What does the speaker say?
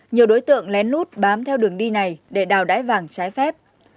nhiều đối tượng lén lút bám theo đường đi này để đào đái vàng trái phép